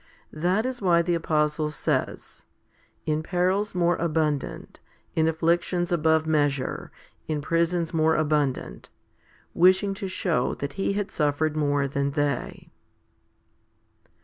That is why the apostle says In perils more abundant, in afflictions above measure, in prisons more abundant? wishing to show that he had suffered more than they.